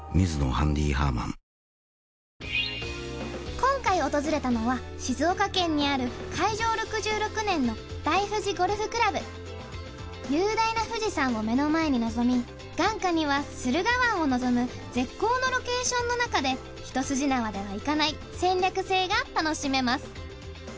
今回訪れたのは静岡県にある開場６６年の雄大な富士山を目の前に望み眼下には駿河湾を望む絶好のロケーションの中で一筋縄ではいかない戦略性が楽しめます。